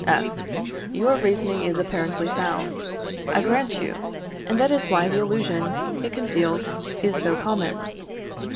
F. Your reasoning is apparently sound, I grant you, and that is why the illusion it conceals is so common.